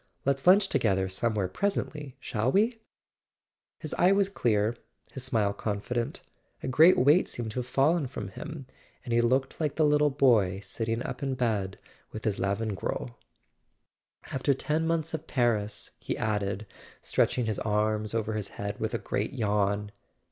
Let's lunch together somewhere presently, shall we: His eye was clear, his smile confident: a great weight seemed to have fallen from him, and he looked like the little boy sitting up in bed with his Lavengro. "After ten months of Paris " he added, stretching his arms over his head with a great yawn.